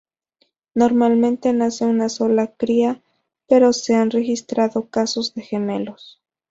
Normalmente nace una sola cría pero se han registrado casos de gemelos.